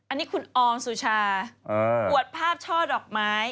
อันนี้คุณอองสุชาอวดภาพช่อดอกไม้